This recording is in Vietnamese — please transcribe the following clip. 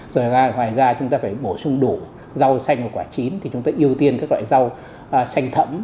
rồi ra ngoài ra chúng ta phải bổ sung đủ rau xanh và quả chín thì chúng ta ưu tiên các loại rau xanh thấm